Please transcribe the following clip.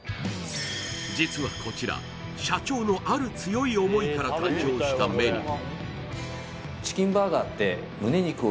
実はこちら社長のある強い思いから誕生したメニュー